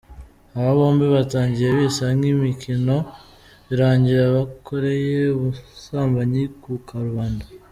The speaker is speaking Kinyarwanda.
Aba bombi batangiye bisa nk'imikino birangira bakoreye ubusambanyi ku karubanda.